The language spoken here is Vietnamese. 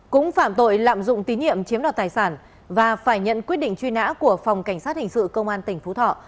cũng phạm tội lạm dụng tín nhiệm chiếm đoạt tài sản và phải nhận quyết định truy nã của phòng cảnh sát hình sự công an tỉnh phú thọ